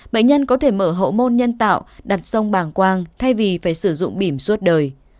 bệnh nhân có thể mở hậu môn nhân tạo đặt sông bàng quang thay vì phải sử dụng bìm suốt đời